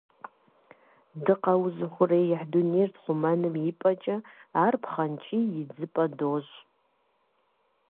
Дыкъэузыухъуреихь дунейр тхъумэным и пӏэкӏэ, ар пхъэнкӏий идзыпӏэ дощӏ.